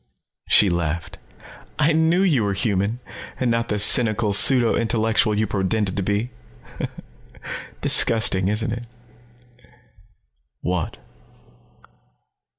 She laughed. "I knew you were human and not the cynical pseudo intellectual you pretended to be. Disgusting, isn't it?" "What?"